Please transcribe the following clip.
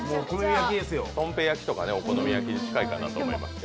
とんぺい焼きとかお好み焼きに近いかなと思いますね。